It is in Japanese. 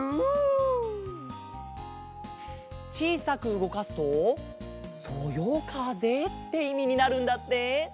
ちいさくうごかすと「そよかぜ」っていみになるんだって。